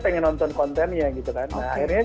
pengen nonton kontennya gitu kan nah akhirnya